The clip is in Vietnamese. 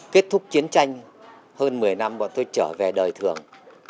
kết thúc chiến tranh hơn một mươi năm bọn tôi trở về đời thường